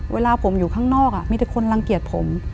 เวลาผมอยู่ข้างนอกมีแต่คนรังเกียจผม